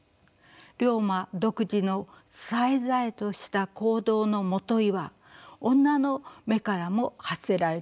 竜馬独自のさえざえとした行動のもといは女の眼からも発せられていたのでした。